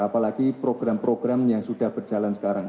apalagi program program yang sudah berjalan sekarang